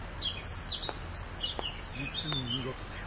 実に見事だよ